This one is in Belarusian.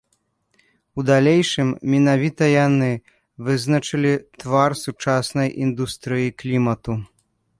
У далейшым менавіта яны вызначылі твар сучаснай індустрыі клімату.